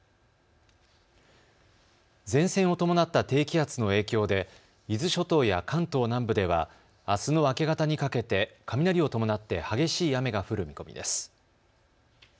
前線を伴った低気圧の影響で伊豆諸島や関東南部ではあすの明け方にかけて雷を伴って激しい雨が降る見込みです。